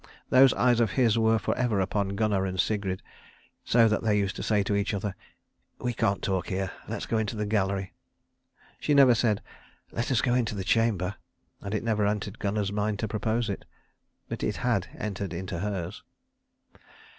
Those eyes of his were for ever upon Gunnar and Sigrid so that they used to say to each other, "We can't talk here. Let us go into the gallery." She never said, "Let us go into the chamber," and it never entered Gunnar's mind to propose it. But it had entered into hers.